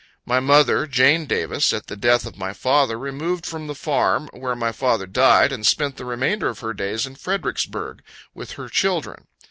My mother, Jane Davis, at the death of my father, removed from the farm, where my father died, and spent the remainder of her days in Fredericksburg, with her children.